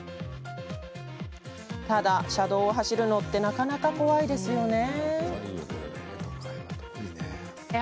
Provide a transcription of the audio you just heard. ただ車道を走るのってなかなか怖いですよね。